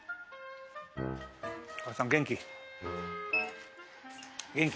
お母さん元気？